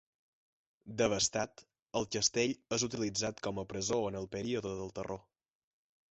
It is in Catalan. Devastat, el castell és utilitzat com a presó en el període del terror.